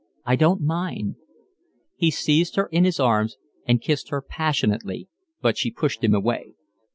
"I don't mind." He seized her in his arms and kissed her passionately, but she pushed him away.